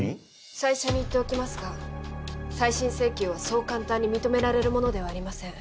最初に言っておきますが再審請求はそう簡単に認められるものではありません。